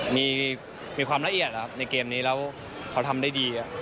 มีความละเอียดในเกมนี้แล้วเขาทำได้ดี